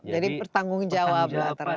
jadi pertanggung jawab